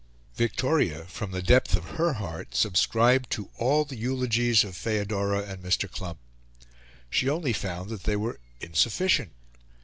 Victoria, from the depth of her heart, subscribed to all the eulogies of Feodora and Mr. Klumpp. She only found that they were insufficient.